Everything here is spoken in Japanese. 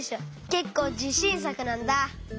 けっこうじしんさくなんだ。